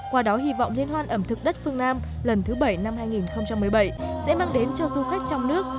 qua đó hy vọng liên hoan ẩm thực đất phương nam lần thứ bảy năm hai nghìn một mươi bảy sẽ mang đến cho du khách trong nước